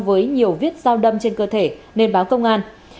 với nhiều viết giao đâm trên cơ thể nên báo công an